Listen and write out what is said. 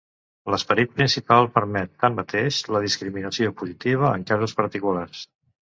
L'esperit principal permet, tanmateix, la discriminació positiva, en casos particulars.